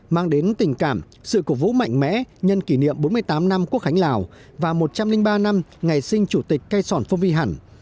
mang đến tình cảm sự cổ vũ mạnh mẽ nhân kỷ niệm bốn mươi tám năm quốc khánh lào và một trăm linh ba năm ngày sinh chủ tịch cây sòn phong vi hẳn